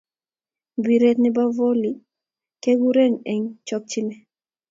Mpiret ne bo Voli keurereni eng chokchinee.